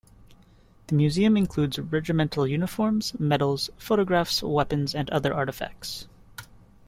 The museum includes regimental uniforms, medals, photographs, weapons and other artifacts.